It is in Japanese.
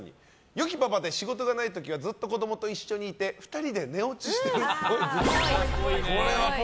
良きパパで仕事がない時はずっと子供と一緒にいて２人で寝落ちしてるっぽい。